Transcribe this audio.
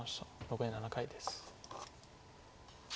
残り７回です。